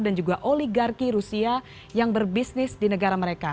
dan juga oligarki rusia yang berbisnis di negara mereka